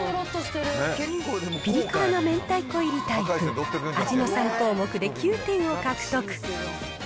ピリ辛の明太子入りタイプ、味の３項目で９点を獲得。